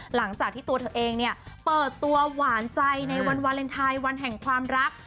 หลังจากที่ตัวเธอเองเนี่ยเปิดตัวหวานใจในวันวาเลนไทยวันแห่งความรัก